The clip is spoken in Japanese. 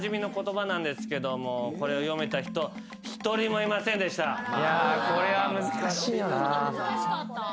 いやこれは難しいよな。